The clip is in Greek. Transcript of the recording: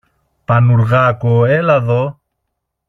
Πανουργάκο, έλα δω!